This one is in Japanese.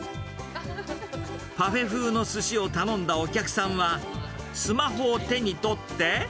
パフェ風のすしを頼んだお客さんは、スマホを手に取って。